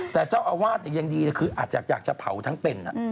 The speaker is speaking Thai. แต่เจ้าอาวาสยังดีเลยคืออาจจะอยากจะเผาทั้งเป็น